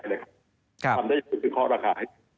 ทำใดเป็นข้อราคาให้